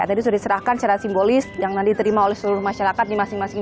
jadi sudah diserahkan secara simbolis yang nanti terima oleh seluruh masyarakat di masing masing